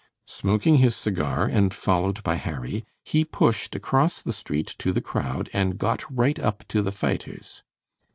Smoking his cigar, and followed by Harry, he pushed across the street to the crowd, and got right up to the fighters.